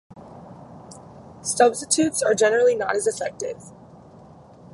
Substitutes are generally not as effective.